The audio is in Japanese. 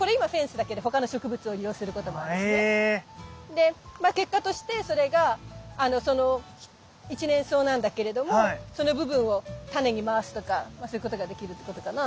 で結果としてそれが一年草なんだけれどもその部分をタネに回すとかそういうことができるってことかな。